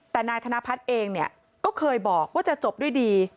แต่นายธนพัฒน์เองเนี่ยก็เคยบอกว่าจะจบด้วยดี